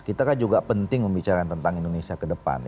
kita kan juga penting membicarakan tentang indonesia ke depan